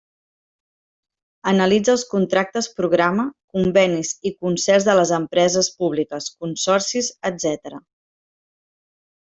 Analitza els contractes-programa, convenis i concerts de les empreses públiques, consorcis, etcètera.